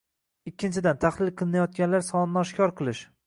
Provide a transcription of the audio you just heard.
Ikkinchidan, tahlil qilinayotganlar sonini oshkor qilish